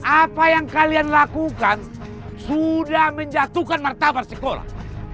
apa yang kalian lakukan sudah menjatuhkan martabat sekolah